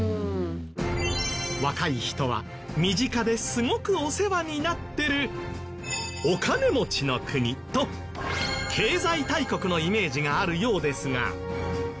若い人は身近ですごくお世話になってるお金持ちの国と経済大国のイメージがあるようですが。